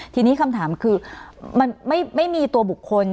ทีนี้คำถามคือมันไม่มีตัวบุคคล